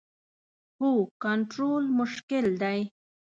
هو، کنټرول مشکل دی